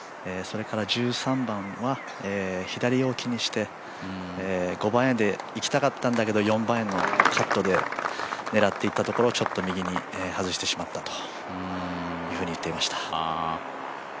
それから、１３番は左を気にして５番アイアンでいきたかったんだけど４番アイアンのカットで狙っていったところちょっと右に外してしまったというふうに言っていました。